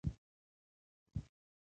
هورې چا ورته د نعماني له خولې ويلي و.